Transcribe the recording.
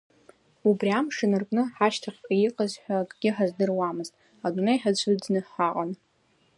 Убри амш инаркны ҳашьҭахьҟа иҟаз ҳәа акгьы ҳаздыруамызт, адунеи ҳацәыӡны ҳаҟан.